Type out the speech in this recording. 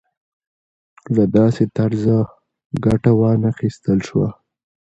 له داسې طرزه ګټه وانخیستل شوه.